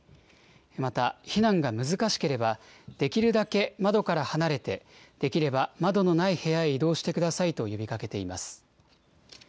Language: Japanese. また、避難が難しければ、できるだけ窓から離れて、できれば窓のない部屋へ移動してくださいと呼びかけています。